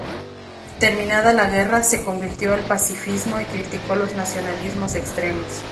Terminada la guerra, se convirtió al pacifismo y criticó los nacionalismos extremos.